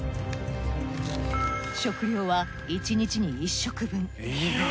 食料は１日に１食分。